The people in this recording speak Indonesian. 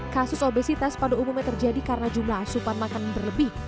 kasus obesitas pada umumnya terjadi karena jumlah asupan makanan berlebih